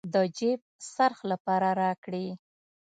د جېب خرڅ لپاره راكړې.